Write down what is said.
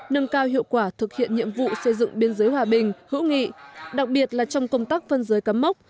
nâng cao hiệu quả thực hiện nhiệm vụ xây dựng biên giới hòa bình hữu nghị đặc biệt là trong công tác phân giới cắm mốc